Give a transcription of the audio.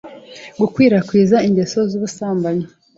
gukwirakwiza ingeso z’ubusambanyi